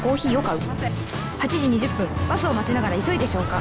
８時２０分バスを待ちながら急いで消化